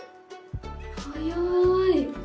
早い。